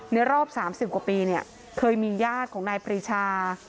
ในรอบ๓๐กว่าปีเนี่ยเคยมีญาติของนายปรีชา